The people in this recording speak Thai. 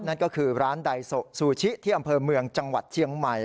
นั่นก็คือร้านไดโซซูชิที่อำเภอเมืองจังหวัดเชียงใหม่